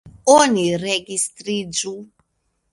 Oni registriĝu.